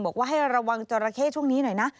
บอกว่าให้ระวังจราเข้ช่วงนี้หน่อยนะ